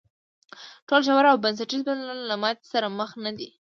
ټول ژور او بنسټیز بدلونونه له ماتې سره مخ نه دي.